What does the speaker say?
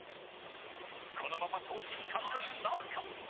このまま賞金獲得なるか？